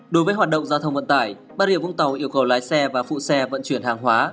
đối với hoạt động giao thông vận tải bà rịa vũng tàu yêu cầu lái xe và phụ xe vận chuyển hàng hóa